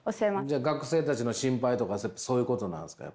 じゃ学生たちの心配とかそういうことなんすか？